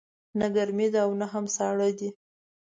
نه ګرمې ده او نه هم ساړه دی